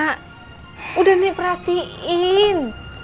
kak udah nih perhatiin